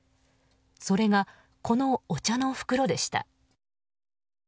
それが、このお茶の袋でした。